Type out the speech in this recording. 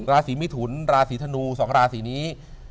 ลาศรีไม่ถุนลาศรีถนู๒ลาศรีนี้